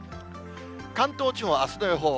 関東地方あすの予報。